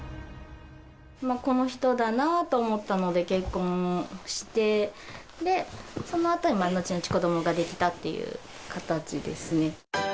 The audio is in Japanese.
この人だなと思ったので、結婚をして、そのあと、後々子どもが出来たっていう形ですね。